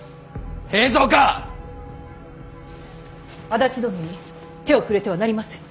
安達殿に手を触れてはなりません。